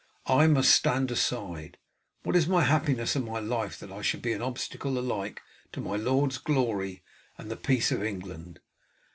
I must stand aside. What is my happiness and my life that I should be an obstacle alike to my lord's glory and the peace of England?